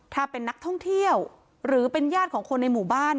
ถ้าเป็นนักท่องเที่ยวหรือเป็นญาติของคนในหมู่บ้าน